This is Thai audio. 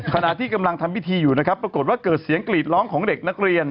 ขณะที่กำลังทำพิธีอยู่นะครับปรากฏว่าเกิดเสียงกรีดร้องของเด็กนักเรียน